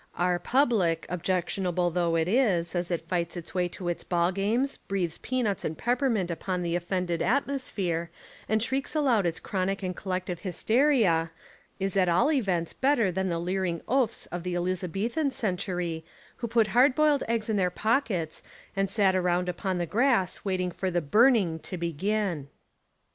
Our public, objectionable though it is, as it fights its way to its ball games, breathes peanuts and peppermint upon the offended at mosphere, and shrieks aloud its chronic and collective hysteria, is at all events better than the leering oafs of the Elizabethan century, who put hard boiled eggs in their pockets and sat around upon the grass waiting for the "burning" to begin.